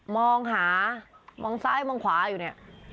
มองหามองซ้ายมองขวาอยู่เนี่ย